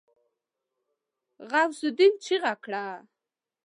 غوث االدين چيغه کړه.